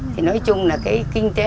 thì nói chung là cái kinh tế